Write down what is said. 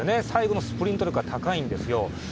最後のスプリント力が高いんですよ。